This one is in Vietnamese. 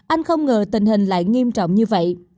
anh không ngờ tình hình lại nghiêm trọng như vậy